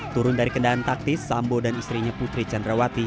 turun dari kendaraan taktis sambo dan istrinya putri candrawati